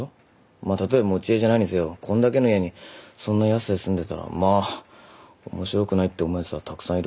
まあたとえ持ち家じゃないにせよこんだけの家にそんな安さで住んでたらまあ面白くないって思うやつはたくさんいるわな。